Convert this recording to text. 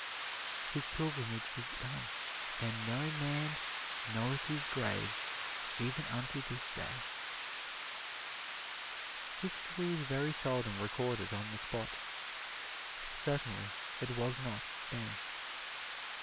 His pilgrimage was done. "And no man knoweth his grave even unto this day." History is very seldom recorded on the spot certainly it was not then.